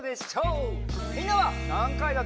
みんなはなんかいだとおもう？